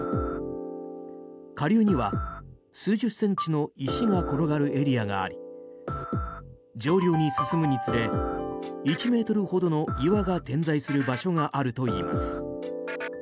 下流には、数十センチの石が転がるエリアがあり上流に進むにつれ１ｍほどの岩が点在する場所があるといいます。